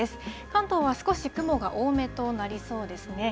関東は少し雲が多めとなりそうですね。